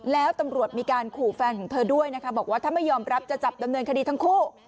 แล้วตำรวจมีการขู่แฟนของเธอด้วยนะคะบอกว่าถ้าไม่ยอมรับจะจับดำเนินคดีทั้งคู่